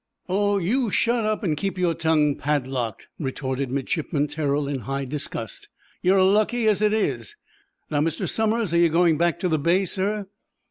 "Oh, you shut up, and keep your tongue padlocked," retorted Midshipman Terrell, in high disgust. "You're lucky as it is. Now, Mr. Somers, are you going back to the bay, sir?"